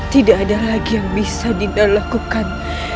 tidak ada lagi yang bisa dina lakukan